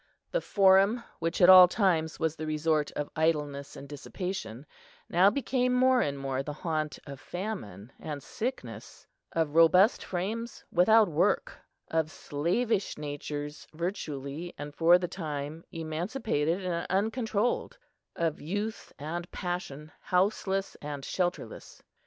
The Forum, which at all times was the resort of idleness and dissipation, now became more and more the haunt of famine and sickness, of robust frames without work, of slavish natures virtually and for the time emancipated and uncontrolled, of youth and passion houseless and shelterless.